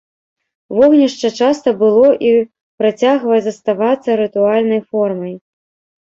Вогнішча часта было і працягвае заставацца рытуальнай формай.